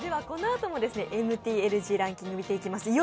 このあともＭＴＬＧランキングを見ていきます。